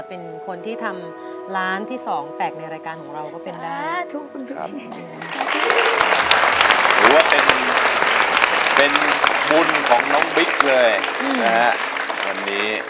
เพราะว่าเขามีเมีย